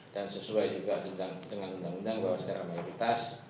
dan sesuai juga dengan undang undang bahwa secara mayoritas